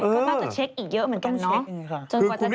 ก็ต้องจะเช็คอีกเยอะเหมือนกันแล้ว